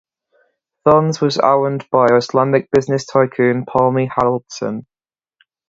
Fons was owned by Icelandic business tycoon Palmi Haraldsson.